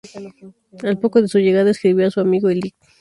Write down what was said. Al poco de su llegada escribió a su amigo el Lic.